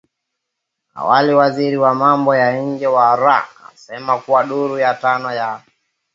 Awali waziri wa mambo ya nje wa Iraq alisema kuwa duru ya tano ya